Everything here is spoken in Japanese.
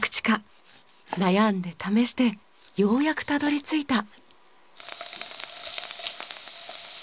悩んで試してようやくたどり着いた。